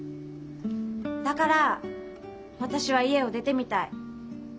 だから私は家を出てみたい。